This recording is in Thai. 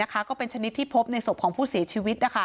ก็เป็นชนิดที่พบในศพของผู้เสียชีวิต